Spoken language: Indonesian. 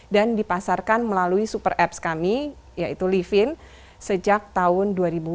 dan dipasarkan melalui super apps kami yaitu livin sejak tahun dua ribu dua puluh satu